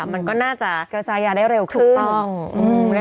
มันก็น่าจะเกิดจากยาได้เร็วขึ้น